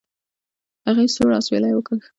هغې سوړ اسويلى وکېښ.